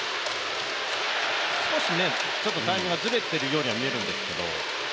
少しタイミングがずれているようには見えるんですけど。